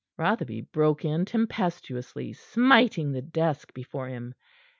Rotherby broke in tempestuously, smiting the desk before him.